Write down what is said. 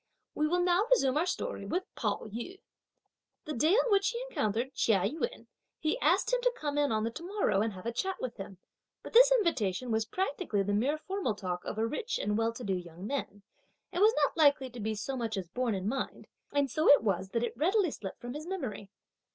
We will now resume our story with Pao yü. The day on which he encountered Chia Yün, he asked him to come in on the morrow and have a chat with him, but this invitation was practically the mere formal talk of a rich and well to do young man, and was not likely to be so much as borne in mind; and so it was that it readily slipped from his memory.